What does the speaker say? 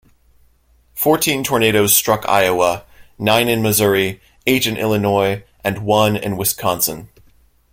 Fourteen tornadoes struck Iowa, nine in Missouri, eight in Illinois, and one in Wisconsin.